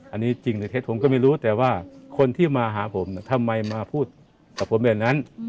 อันนี้จริงหรือเท็จผมก็ไม่รู้แต่ว่าคนที่มาหาผมทำไมมาพูดกับผมแบบนั้น